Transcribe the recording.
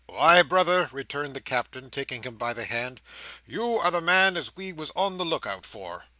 "Why, Brother," returned the Captain, taking him by the hand, "you are the man as we was on the look out for."